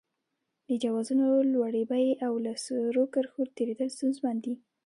د جوازونو لوړې بیې او له سرو کرښو تېرېدل ستونزمن دي.